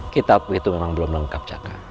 kitab itu memang belum lengkap